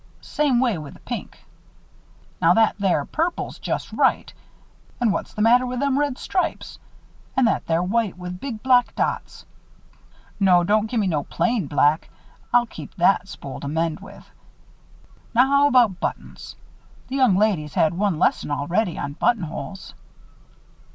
Same way with the pink. Now that there purple's just right. And what's the matter with them red stripes? And that there white with big black spots. No, don't gimme no plain black I'll keep that spool to mend with. Now, how about buttons? The young lady's had one lesson already on buttonholes."